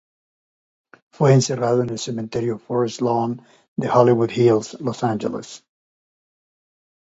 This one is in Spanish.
Fue enterrado en el Cementerio Forest Lawn de Hollywood Hills, Los Ángeles.